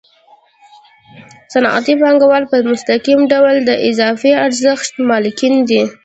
صنعتي پانګوال په مستقیم ډول د اضافي ارزښت مالکان دي